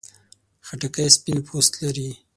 خټکی سپین پوست لري.